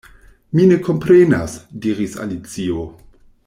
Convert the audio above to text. "Mi ne komprenas," diris Alicio.